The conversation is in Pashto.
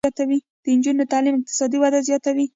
د نجونو تعلیم اقتصادي وده زیاتوي.